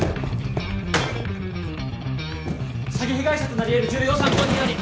詐欺被害者となりえる重要参考人あり！